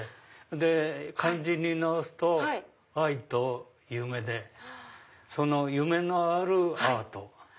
で漢字に直すと「愛」と「夢」で夢のあるアート。